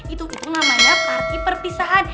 itu namanya parti perpisahan